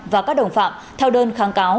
và các đồng phạm theo đơn kháng cáo